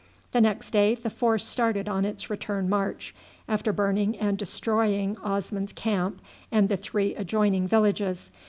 The next day the force started on its return march, after burning and destroying Osman's camp and the three adjoining villages.